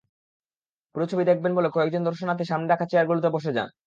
পুরো ছবি দেখবেন বলে কয়েকজন দর্শনার্থী সামনে রাখা চেয়ারগুলোতে বসে যান।